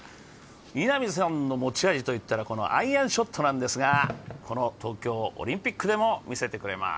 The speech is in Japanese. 稲見さんの持ち味といったら、このアイアンショットなんですが、東京オリンピックでも見せてくれます。